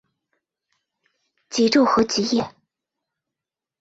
极昼和极夜。